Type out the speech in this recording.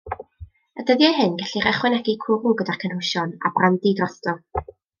Y dyddiau hyn gellir ychwanegu cwrw gyda'r cynhwysion, a brandi drosto.